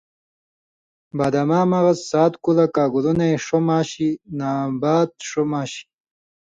باداماں مغز سات کُلہۡ ، کاگِلُنئی ݜو ماشی ، ناݩبات ݜو ماشی ۔